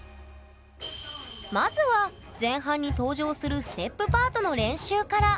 まずは前半に登場するステップパートの練習から。